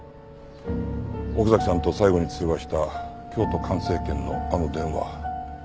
奥崎さんと最後に通話した京都環生研のあの電話。